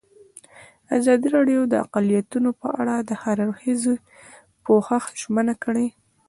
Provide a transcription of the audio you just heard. ازادي راډیو د اقلیتونه په اړه د هر اړخیز پوښښ ژمنه کړې.